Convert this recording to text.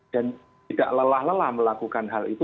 dan tidak lelah lelah melakukan hal itu